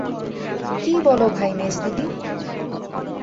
কী বল ভাই মেজদিদি!